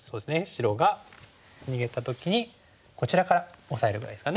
白が逃げた時にこちらからオサえるぐらいですかね。